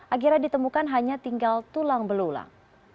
akhirnya ditemukan hanya tinggal tulang belulang